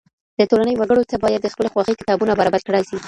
د ټولني وګړو ته بايد د خپلي خوښي کتابونه برابر کړای سي.